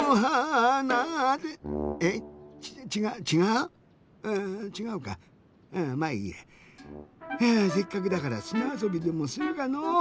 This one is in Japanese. うちがうかまあいいや。えせっかくだからすなあそびでもするかのう。